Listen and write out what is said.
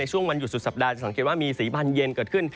ช่วงวันหยุดสุดสัปดาห์จะสังเกตว่ามีสีพันธุเย็นเกิดขึ้น